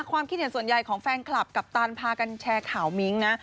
ความคิดเห็นส่วนใหญ่ของแฟนคลับกัปตันพากันแชร์ข่าวมิ้งนะ